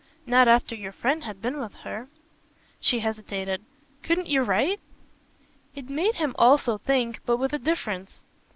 "Not after your friend had been with her." She hesitated. "Couldn't you write?" It made him also think, but with a difference.